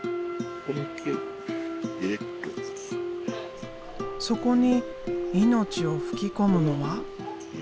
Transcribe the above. そこに命を吹き込むのは。